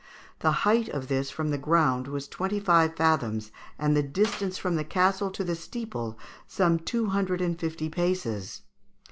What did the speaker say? The height of this from the ground was twenty five fathoms, and the distance from the castle to the steeple some two hundred and fifty paces.